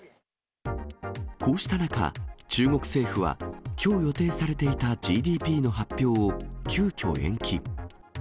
こうした中、中国政府は、きょう予定されていたＧＤＰの発表を急きょ延期。